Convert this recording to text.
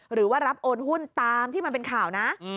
หรือว่ารับโอนหุ้นตามที่มันเป็นข่าวนะ